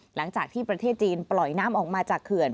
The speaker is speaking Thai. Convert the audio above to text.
หลังจากที่ประเทศจีนปล่อยน้ำออกมาจากเขื่อน